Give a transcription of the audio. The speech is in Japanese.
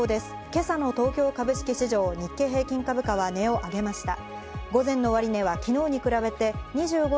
今朝の東京株式市場、日経平均株価は値を上げました。